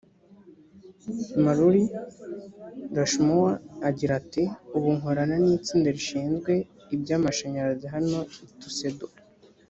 mallory rushmore agira ati ubu nkorana n itsinda rishinzwe iby amashanyarazi hano i tuxedo